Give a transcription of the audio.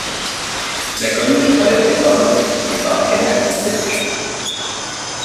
La commune est traversée par l'Authie et par un canal de dessèchement.